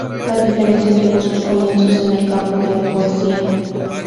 La Diferencia tuvo sus comienzos en el campo de la poesía.